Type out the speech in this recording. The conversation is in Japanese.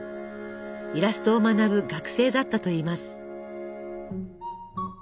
イラストを学ぶ学生だったといいます。